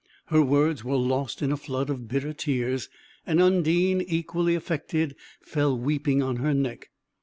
Her words were lost in a flood of bitter tears, and Undine, equally affected, fell weeping on her neck.